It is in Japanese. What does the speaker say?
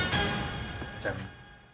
ジャン。